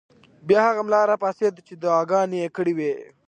بیا هغه ملا راپاڅېد چې دعاګانې یې کړې وې.